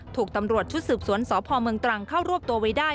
ถูกตำรวจชุดสืบสวนสพเมืองตรังเข้ารวบตัวไว้ได้